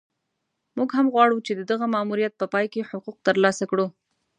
موږ هم غواړو چې د دغه ماموریت په پای کې حقوق ترلاسه کړو.